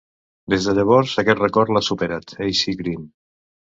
Des de llavors, aquest rècord l'ha superat A. C. Green.